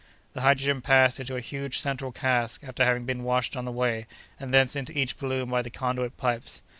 The hydrogen passed into a huge central cask, after having been washed on the way, and thence into each balloon by the conduit pipes.